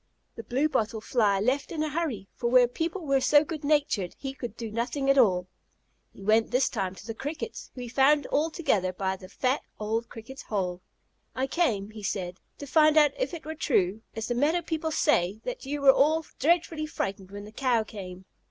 The Blue bottle Fly left in a hurry, for where people were so good natured he could do nothing at all. He went this time to the Crickets, whom he found all together by the fat, old Cricket's hole. "I came," he said, "to find out if it were true, as the meadow people say, that you were all dreadfully frightened when the Cow came?"